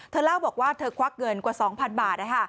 เล่าบอกว่าเธอควักเงินกว่า๒๐๐๐บาท